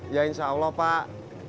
ya insya allah pak